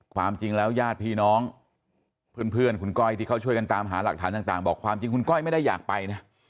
ความจริงแล้วญาติพี่น้องเพื่อนคุณก้อยที่เขาช่วยกันตามหาหลักฐานต่างบอกความจริงคุณก้อยไม่ได้อยากไปนะ